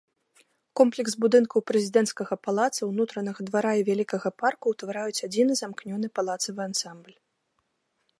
Комплекс будынкаў прэзідэнцкага палаца, унутранага двара і вялікага парку ўтвараюць адзіны замкнёны палацавы ансамбль.